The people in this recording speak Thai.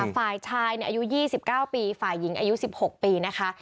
ฝ่ายชายอายุ๒๙ปีฝ่ายหญิงอายุ๑๖ปีนะคะ